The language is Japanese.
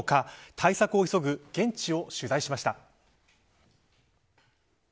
対策を急ぐ現地を取材しました。